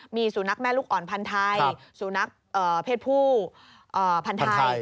มีสูนักแม่ลูกอ่อนพันธัยสูนักเพศผู้พันธัย